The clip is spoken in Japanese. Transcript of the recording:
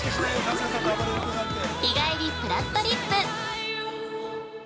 「日帰りぷらっとりっぷ」